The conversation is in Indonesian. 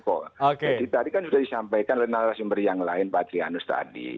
jadi tadi kan sudah disampaikan oleh nasional sumber yang lain pak adrianus tadi